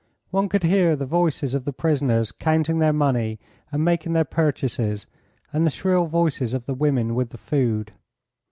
One could hear the voices of the prisoners counting their money and making their purchases, and the shrill voices of the women with the food.